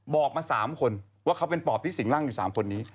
บอกมา๓คนว่าเขาเป็นปอบที่สิงร่างอยู่๓คนนี้